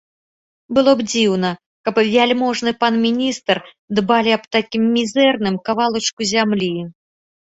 Было б дзіўна, каб вяльможны пан міністр дбалі аб такім мізэрным кавалачку зямлі.